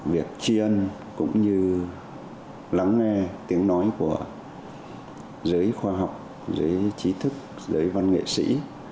việc chiên cũng như lắng nghe tiếng nói của giới khoa học giới trí thức giới văn nghệ sĩ